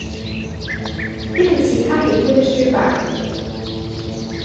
一定是他喜歡的書吧！